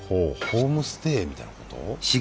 ホームステイみたいなこと？